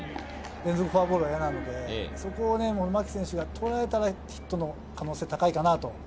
フォアボール連続は嫌なので、そこを牧選手がとらえたらヒットの可能性は高いかなと。